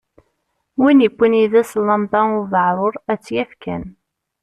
Win yewwin yid-s llamba ubeεṛur ad tt-yaf kan.